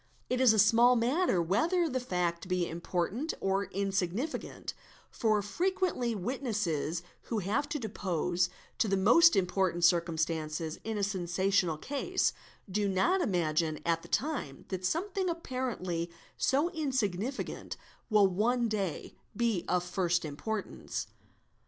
It is a small matter whether the fact be important or insignificant, for E frequently witnesses who have to depose to the most important circum stances in a sensational case, do not imagine at the time that something © apparently so insignificant will one day be of first importance.